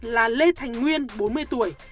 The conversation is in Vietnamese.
là lê thành nguyên bốn mươi tuổi